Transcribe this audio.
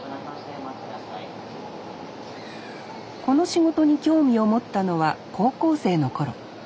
この仕事に興味を持ったのは高校生の頃。